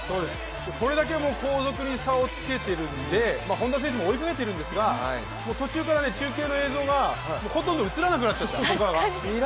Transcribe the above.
これだけ後続に差を付けているんで、本多選手も追いかけてるんですが途中から、中継の映像がほとんど映らなくなっちゃった。